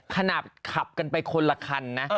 ขนาดขับกันไปคนละคันนะ